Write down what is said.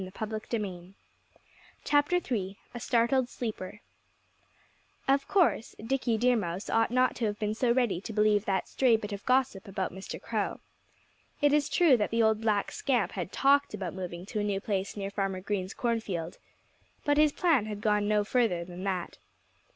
III A STARTLED SLEEPER Of course Dickie Deer Mouse ought not to have been so ready to believe that stray bit of gossip about Mr. Crow. It is true that the old black scamp had talked about moving to a new place nearer Farmer Green's cornfield. But his plan had gone no further than that.